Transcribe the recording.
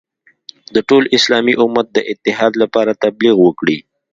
د ټول اسلامي امت د اتحاد لپاره تبلیغ وکړي.